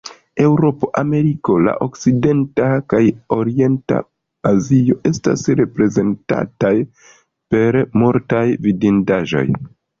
Eŭropo, Ameriko, La Okcidenta kaj la Orienta Azio estas reprezentataj per multaj vidindaĵoj.